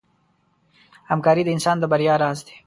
همکاري د انسان د بریا راز دی.